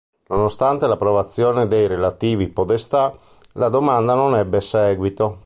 Nonostante l'approvazione dei relativi podestà, la domanda non ebbe seguito.